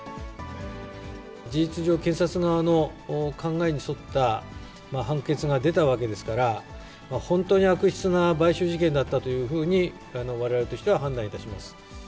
事実上、検察側の考えに沿った判決が出たわけですから、本当に悪質な買収事件だったというふうに、われわれとしては判断いたします。